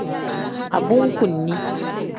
Abunkuni.